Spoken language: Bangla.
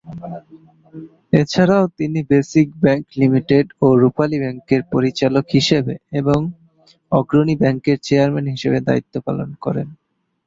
এছাড়াও তিনি বেসিক ব্যাংক লিমিটেড ও রূপালী ব্যাংকের পরিচালক হিসেবে এবং অগ্রণী ব্যাংকের চেয়ারম্যান হিসেবে দায়িত্ব পালন করেন।